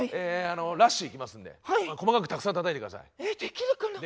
ラッシュいきますんで細かくたくさんたたいて下さい。